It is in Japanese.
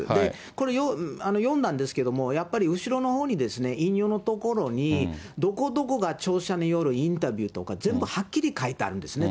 これ、読んだんですけども、やっぱり後ろのほうに、引用のところに、どこどこが著者によるインタビューとか、全部はっきり書いてあるんですね。